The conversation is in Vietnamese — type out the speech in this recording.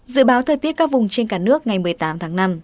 dự báo thời tiết các vùng trên cả nước ngày một mươi tám tháng năm